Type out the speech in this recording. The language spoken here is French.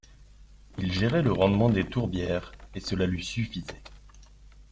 Il gérait le rendement des tourbières, et cela lui suffisait.